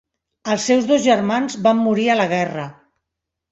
Els seus dos germans van morir a la guerra.